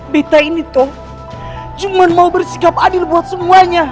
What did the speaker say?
beta ini tuh cuma mau bersikap adil buat semuanya